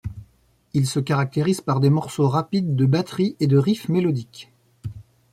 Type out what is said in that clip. Il se caractérise par des morceaux rapides de batterie et de riffs mélodiques.